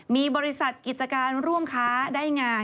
มีบริษัทกิจการร่วมค้าได้งาน